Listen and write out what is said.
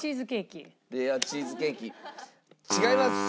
レアチーズケーキ違います。